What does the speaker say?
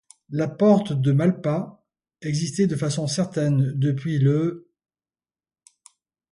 La porte de Malpas existait de façon certaine depuis le .